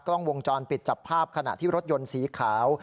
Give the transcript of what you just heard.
กล้องวงจรปิดจับภาพขณะที่รถยนต์สีขาว